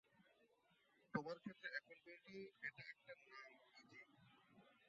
তোমার ক্ষেত্রে এখন পর্যন্ত এটা একটা নাম, ইযি।